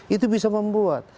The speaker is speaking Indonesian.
itu bisa membuat